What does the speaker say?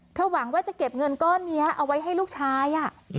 หวังว่าจะเก็บเงินก้อนนี้เอาไว้ให้ลูกชาย